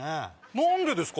何でですか？